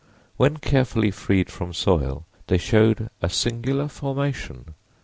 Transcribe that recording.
When carefully freed from soil they showed a singular formation.